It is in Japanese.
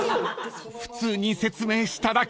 ［普通に説明しただけです］